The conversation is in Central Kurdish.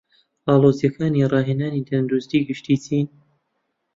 ئاڵۆزیەکانی ڕاهێنانی تەندروستی گشتی چین؟